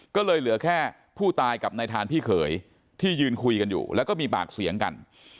ก็เลยเหลือแค่ผู้ตายกับนายทานพี่เขยที่ยืนคุยกันอยู่แล้วก็มีปากเสียงกัน